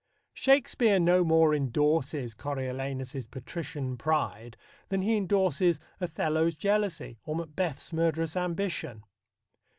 Shakespeare no more endorses Coriolanus's patrician pride than he endorses Othello's jealousy or Macbeth's murderous ambition.